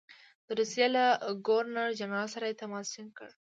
د روسیې له ګورنر جنرال سره یې تماس ټینګ کړ.